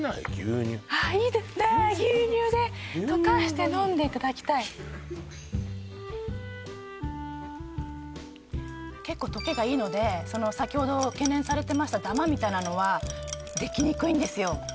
何かちょっといただきたい結構溶けがいいので先ほど懸念されてましたダマみたいなのはできにくいんですよ